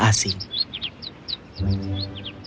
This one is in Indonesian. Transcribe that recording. dia mendengar suara yang tidak asing